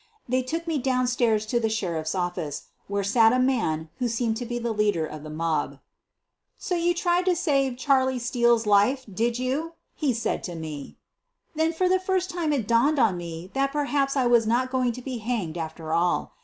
They took me downstairs into the Sheriff's office, where sat a man who seemed io be the leader of the mob. "So you tried to save Charlie Steele's life, did your' he said to me. Then for the first time it dawned on me that per haps I was not going to be hanged after all.